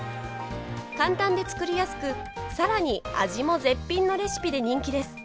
簡単で作りやすく更に味も絶品のレシピで人気です。